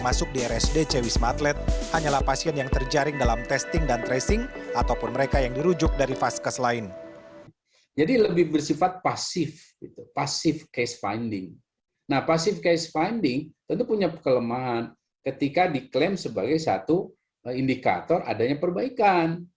pasif case finding tentu punya kelemahan ketika diklaim sebagai satu indikator adanya perbaikan